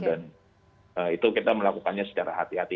dan itu kita melakukannya secara hati hati